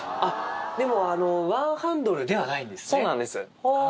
でもワンハンドルではないんですそうなんです。